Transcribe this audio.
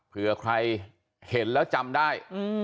เผื่อใครเห็นแล้วจำได้